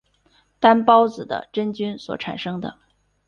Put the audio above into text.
担孢子的真菌所产生的。